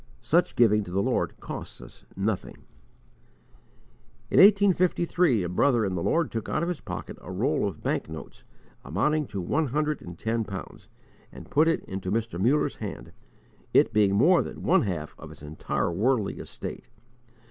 Such giving to the Lord costs us nothing. In 1853, a brother in the Lord took out of his pocket a roll of bank notes, amounting to one hundred and ten pounds, and put it into Mr. Muller's hand, it being _more than one half of his entire worldly estate.